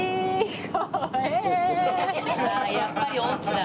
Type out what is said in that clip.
やっぱり音痴だ。